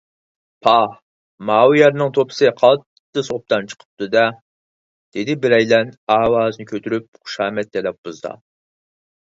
پاھ، ماۋۇ يەرنىڭ توپىسى قالتىس ئوبدان چىقىپتۇ - دە! _ دېدى بىرەيلەن ئاۋازىنى كۈتۈرۈپ خۇشامەت تەلەپپۇزىدا.